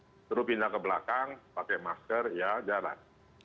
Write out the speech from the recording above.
disuruh pindah ke belakang pakai masker ya jalan